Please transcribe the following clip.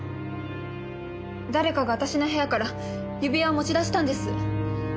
誰かが私の部屋から指輪を持ち出したんです。